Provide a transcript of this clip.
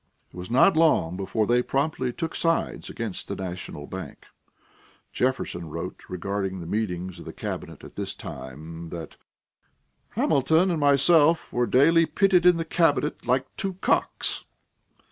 It was not long before they promptly took sides against the national bank. Jefferson wrote regarding the meetings of the cabinet at this time that "Hamilton and myself were daily pitted in the cabinet like two cocks."